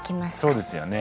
そうですよね。